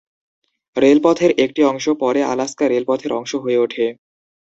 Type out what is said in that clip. রেলপথের একটি অংশ পরে আলাস্কা রেলপথের অংশ হয়ে ওঠে।